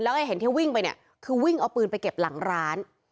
แล้วก็เห็นที่วิ่งไปเนี่ยคือวิ่งเอาปืนไปเก็บหลังร้าน